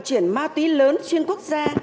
chuyển ma túy lớn trên quốc gia